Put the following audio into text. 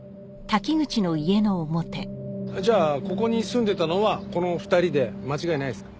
じゃあここに住んでたのはこの２人で間違いないですか？